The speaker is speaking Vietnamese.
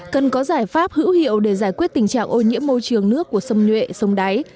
cần có giải pháp hữu hiệu để giải quyết tình trạng ô nhiễm môi trường nước của sông nhuệ sông đáy